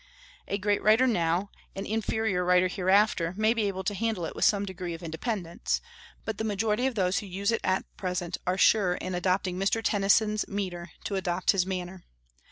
A great writer now, an inferior writer hereafter, may be able to handle it with some degree of independence; but the majority of those who use it at present are sure in adopting Mr. Tennyson's metre to adopt his manner.